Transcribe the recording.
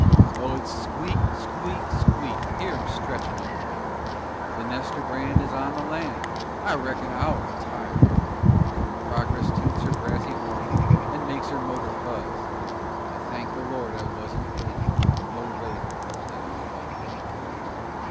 Oh, it's squeak! squeak! squeak! Hear 'em stretchin' of the wire! The nester brand is on the land; I reckon I'll retire, While progress toots her brassy horn And makes her motor buzz, I thank the Lord I wasn't born _No later than I was.